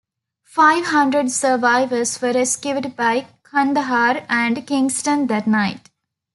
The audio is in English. Five hundred survivors were rescued by "Kandahar" and "Kingston" that night.